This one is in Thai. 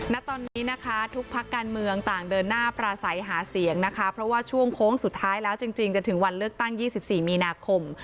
ณตอนนี้นะคะทุกพักการเมืองต่างเดินหน้าปราศัยหาเสียงนะคะเพราะว่าช่วงโค้งสุดท้ายแล้วจริงจะถึงวันเลือกตั้ง๒๔มีนาคม